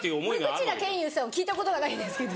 無口な賢雄さんを聞いたことがないですけど。